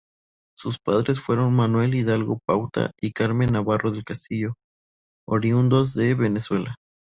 Sus padres fueron Manuel Hidalgo Pauta y Carmen Navarro del Castillo, oriundos de Venezuela.